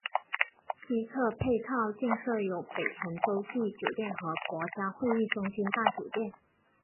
西侧配套建设有北辰洲际酒店和国家会议中心大酒店。